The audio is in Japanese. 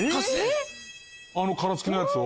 あの殻付きのやつを？